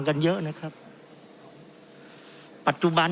เพราะเรามี๕ชั่วโมงครับท่านนึง